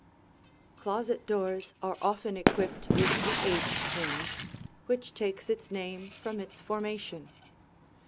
Closet doors often are equipped with the H hinge which takes its name from its formation.